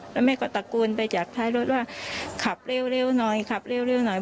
แล้วแม่ก็ตะโกนไปจากท้ายรถว่าขับเร็วหน่อยขับเร็วหน่อย